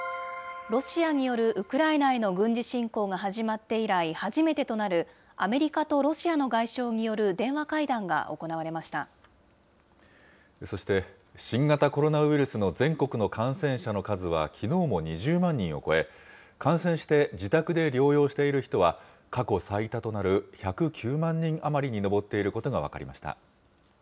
ロシアによるウクライナへの軍事侵攻が始まって以来、初めてとなるアメリカとロシアの外相による電話会談が行われましそして、新型コロナウイルスの全国の感染者の数はきのうも２０万人を超え、感染して自宅で療養している人は、過去最多となる１０９万人余りに上っていることが分かりました。